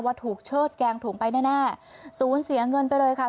ถูกเชิดแกงถุงไปแน่ศูนย์เสียเงินไปเลยค่ะ